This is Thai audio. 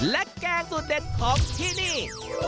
และแกงสูตรเด็ดของที่นี่